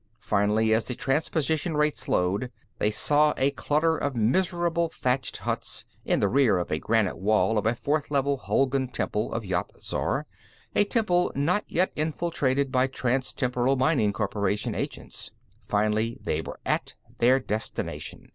Finally, as the transposition rate slowed, they saw a clutter of miserable thatched huts, in the rear of a granite wall of a Fourth Level Hulgun temple of Yat Zar a temple not yet infiltrated by Transtemporal Mining Corporation agents. Finally, they were at their destination.